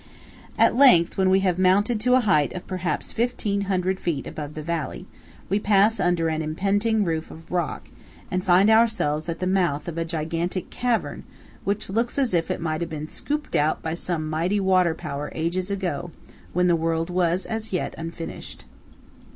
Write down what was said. At length, when we have mounted to a height of perhaps fifteen hundred feet above the valley, we pass under an impending roof of rock, and find ourselves at the mouth of a gigantic cavern which looks as if it might have been scooped out by some mighty water power ages ago, when the world was yet unfinished.